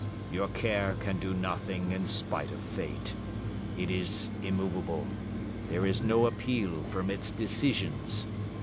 Your care can do nothing in spite of fate: it is immovable: there is no appeal from its decisions.